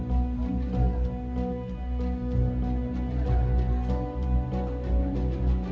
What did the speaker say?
semua terkait kejadian tanggal tujuh agustus